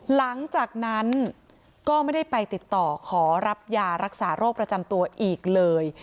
หลังจากนั้นก็ไม่ได้ไปติดต่อขอรับยารักษาโรคประจำตัวอีกเลย